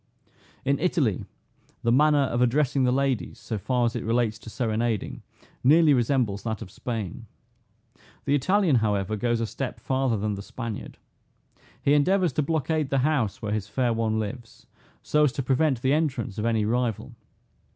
In Italy the manner of addressing the ladies, so far as it relates to serenading, nearly resembles that of Spain. The Italian, however, goes a step farther than the Spaniard. He endeavors to blockade the house where his fair one lives, so as to prevent the entrance of any rival.